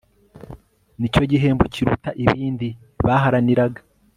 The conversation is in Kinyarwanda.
ni cyo gihembo kiruta ibindi baharaniraga